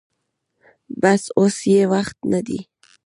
بس اوس يې وخت نه دې.